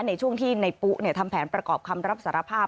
ในช่วงที่ในปุ๊ทำแผนประกอบคำรับสารภาพ